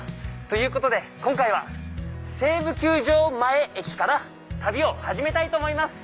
ということで今回は西武球場前駅から旅を始めたいと思います。